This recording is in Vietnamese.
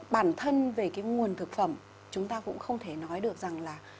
bản thân về cái nguồn thực phẩm chúng ta cũng không thể nói được rằng là